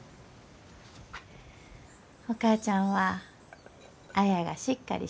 お母ちゃんは綾がしっかりしゆうき